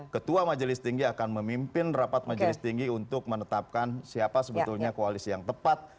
ketua majelis tinggi akan memimpin rapat majelis tinggi untuk menetapkan siapa sebetulnya koalisi yang tepat